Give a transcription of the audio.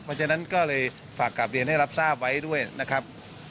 เพราะฉะนั้นก็เลยฝากกลับเรียนให้รับทราบไว้ด้วยนะครับ